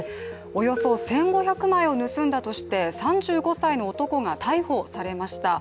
およそ１５００枚を盗んだとして３５歳の男が逮捕されました。